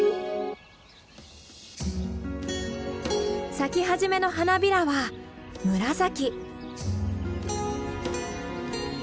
咲き始めの花びらは紫。